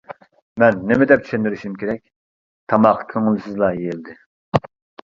مەن نېمىدەپ چۈشەندۈرۈشۈم كېرەك؟ تاماق كۆڭۈلسىزلا يېيىلدى.